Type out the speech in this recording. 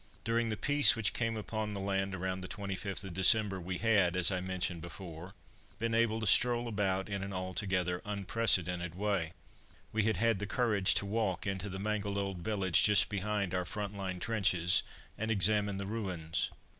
During the peace which came upon the land around the 25th of December we had, as I mentioned before, been able to stroll about in an altogether unprecedented way. We had had the courage to walk into the mangled old village just behind our front line trenches, and examine the ruins.